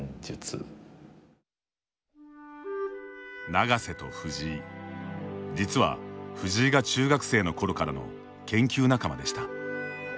永瀬と藤井、実は藤井が中学生の頃からの研究仲間でした。